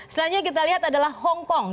selanjutnya kita lihat adalah hongkong